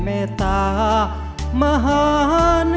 เพลงพร้อมร้องได้ให้ล้าน